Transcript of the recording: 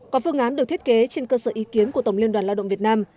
có phương án được thiết kế trên cơ sở ý kiến của tổng liên đoàn lao động việt nam